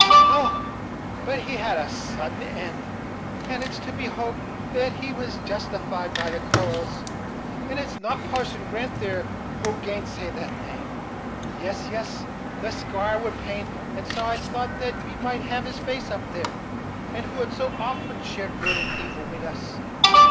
Och! but he had a sudden end! but it's to be hoped that he was justified by the cause, And it's not Parson Grant there who'll gainsay that same. Yes, yes; the squire would paint, and so I thought that we might have his face up there, who had so often shared good and evil wid us.